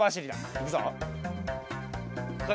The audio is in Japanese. いくぞ。